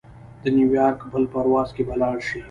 د نیویارک بل پرواز کې به لاړشې.